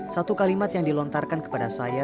satu kalimat yang dilontarkan kepada saya